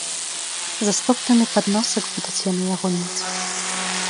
За стоптаны падносак будуць яны яго мець.